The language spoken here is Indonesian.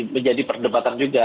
menjadi perdebatan juga